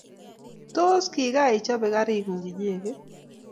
Tos, kigaichope karingung inyegei?